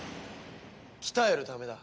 鍛えるためだ。